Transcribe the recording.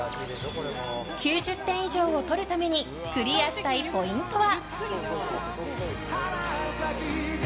９０点以上を取るためにクリアしたいポイントは。